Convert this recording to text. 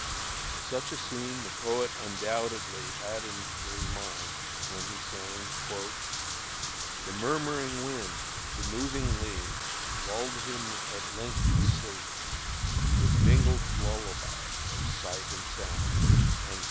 Such a scene the poet undoubtedly had in his mind when he sang: "The murmuring wind, the moving leaves Lull'd him at length to sleep, With mingled lullabies of sight and sound."